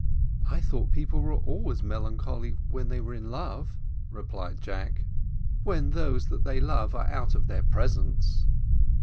"I thought people were always melancholy when they were in love," replied Jack. "When those that they love are out of their presence."